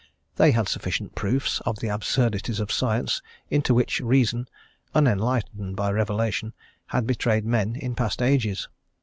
They had sufficient proofs of the absurdities of science into which reason, unenlightened by revelation, had betrayed men in past ages.